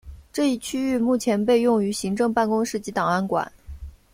这一区域目前被用于行政办公室及档案馆。